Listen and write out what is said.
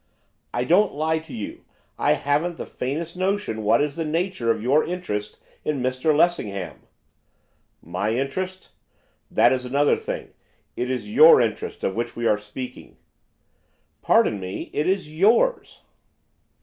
'I don't lie to you, I haven't the faintest notion what is the nature of your interest in Mr Lessingham.' 'My interest? that is another thing; it is your interest of which we are speaking.' 'Pardon me, it is yours.